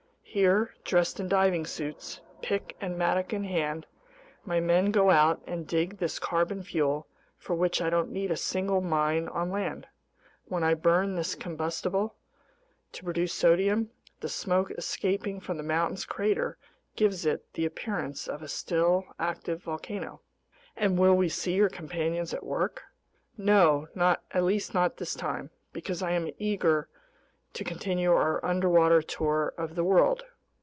Here, dressed in diving suits, pick and mattock in hand, my men go out and dig this carbon fuel for which I don't need a single mine on land. When I burn this combustible to produce sodium, the smoke escaping from the mountain's crater gives it the appearance of a still active volcano." "And will we see your companions at work?" "No, at least not this time, because I'm eager to continue our underwater tour of the world.